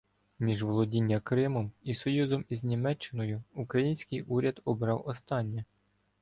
Між володінням Кримом і союзом із Німеччиною український уряд обрав останнє.